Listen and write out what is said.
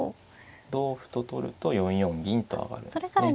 同歩と取ると４四銀と上がるんですね。